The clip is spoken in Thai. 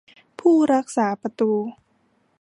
ผู้รักษาประตู